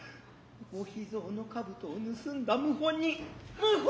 御秘蔵の兜を盗んだ謀逆人謀逆